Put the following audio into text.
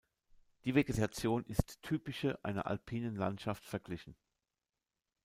Die Vegetation ist typische, einer alpinen Landschaft verglichen.